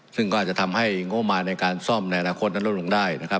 ซึ่งก็อาจจะทำให้โง่มาในการซ่อมแนวละคนลงได้นะครับ